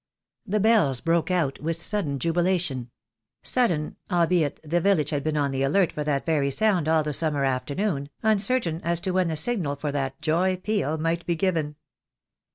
The bells broke out with sudden jubilation; sudden, albeit the vil lage had been on the alert for that very sound all the summer afternoon, uncertain as to when the signal for that joy peal might be given.